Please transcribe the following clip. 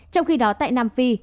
trong khi đó tại nam phi